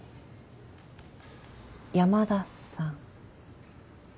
「山田」さん。